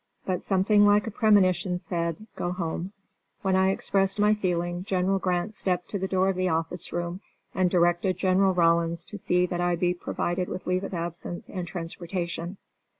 But something like a premonition said, "Go home." When I expressed my feeling General Grant stepped to the door of the office room and directed General Rawlins to see that I be provided with leave of absence and transportation.